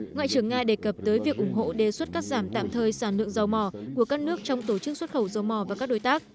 ngoại trưởng nga đề cập tới việc ủng hộ đề xuất cắt giảm tạm thời sản lượng dầu mỏ của các nước trong tổ chức xuất khẩu dầu mỏ và các đối tác